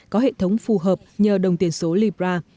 có hệ thống phù hợp nhờ đồng tiền số libra